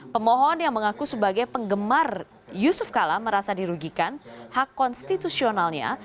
pemohon yang mengaku sebagai penggemar yusuf kala merasa dirugikan hak konstitusionalnya